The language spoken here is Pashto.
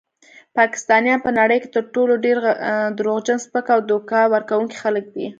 پاکستانیان په نړۍ کې تر ټولو ډیر دروغجن، سپک او دوکه ورکونکي خلک دي.